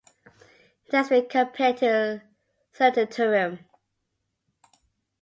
It has been compared to "Sanitarium".